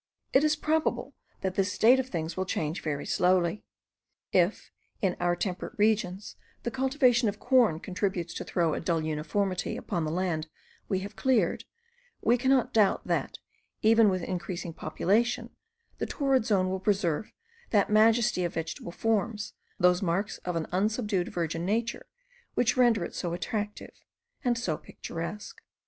It is probable that this state of things will change very slowly. If in our temperate regions the cultivation of corn contributes to throw a dull uniformity upon the land we have cleared, we cannot doubt, that, even with increasing population, the torrid zone will preserve that majesty of vegetable forms, those marks of an unsubdued, virgin nature, which render it so attractive and so picturesque.